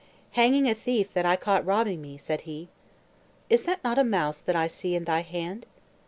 "Hanging a thief that I caught robbing me," said he. "Is not that a mouse that I see in thy hand?"